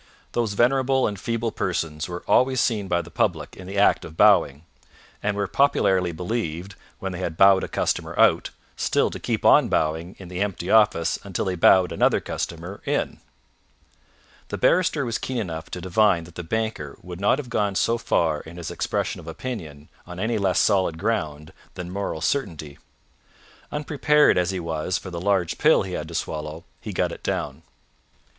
Those venerable and feeble persons were always seen by the public in the act of bowing, and were popularly believed, when they had bowed a customer out, still to keep on bowing in the empty office until they bowed another customer in. The barrister was keen enough to divine that the banker would not have gone so far in his expression of opinion on any less solid ground than moral certainty. Unprepared as he was for the large pill he had to swallow, he got it down.